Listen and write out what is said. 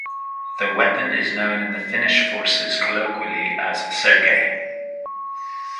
The weapon is known in the Finnish forces colloquially as Sergei.